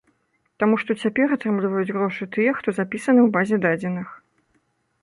Таму што цяпер атрымліваюць грошы тыя, хто запісаны ў базе дадзеных.